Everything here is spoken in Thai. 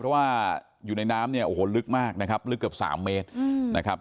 เพราะว่าอยู่ในน้ำเนี่ยโอ้โหลึกมากนะครับลึกเกือบ๓เมตรนะครับ